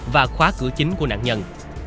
và khóa cửa chính của nạn nhân